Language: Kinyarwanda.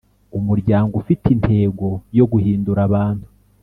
Umuryango ufite intego yo guhindura abantu